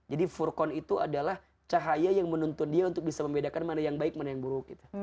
jadi furqan itu adalah cahaya yang menuntun dia untuk bisa membedakan mana yang baik mana yang buruk